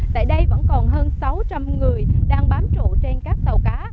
tại đây vẫn còn hơn sáu trăm linh người đang bám trụ trên các tàu cá